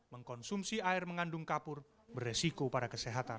mengkonsumsi air mengandung kapur beresiko pada kesehatan